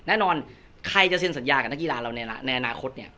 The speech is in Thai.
แน่นอนใครจะเซ็นสัญญากับนักกีฬาเราในอนาคตเนี่ย